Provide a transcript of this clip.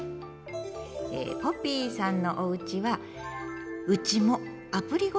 えポピーさんのおうちはハハハ！